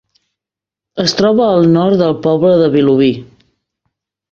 Es troba al nord del poble de Vilobí.